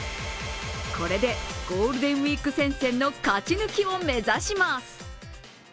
これでゴールデンウイーク戦線の勝ち抜きを目指します。